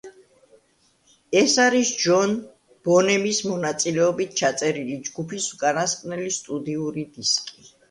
ეს არის ჯონ ბონემის მონაწილეობით ჩაწერილი ჯგუფის უკანასკნელი სტუდიური დისკი.